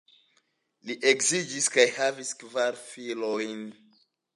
Li geedziĝis kaj havis kvar filojn.